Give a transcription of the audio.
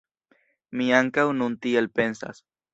Mi ankaŭ nun tiel pensas.